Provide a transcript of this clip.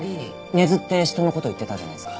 根津って人の事言ってたじゃないですか。